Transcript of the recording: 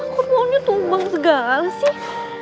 kok maunya tumbang segala sih